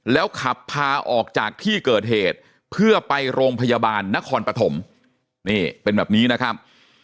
แล้วขับพาออกจากที่เกิดเหตุเพื่อไปโรงพยาบาลนครปฐมนี่เป็นแบบนี้นะครับ